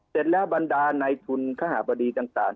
เสร็จแล้วบรรดาในทุนคบดีต่าง